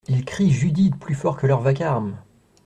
Il crie Judith plus fort que leur vacarme !